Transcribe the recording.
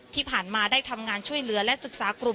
ที่ผ่านมาได้ทำงานช่วยเหลือและศึกษากลุ่ม